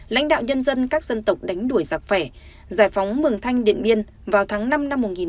lãnh đạo nhân dân các dân tộc đánh đuổi giặc phẻ giải phóng mường thanh điện biên vào tháng năm năm một nghìn bảy trăm năm mươi bốn